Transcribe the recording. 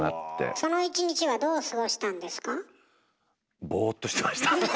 その一日はどう過ごしたんですか？